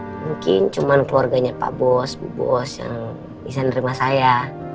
mungkin cuma keluarganya pak bos bos yang bisa menerima saya